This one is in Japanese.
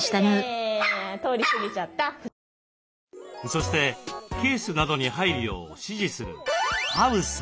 そしてケースなどに入るよう指示する「ハウス」。